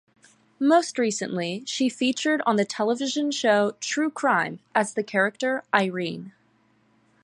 Most recently, she featured on the television show "True Crime" as the character Irene.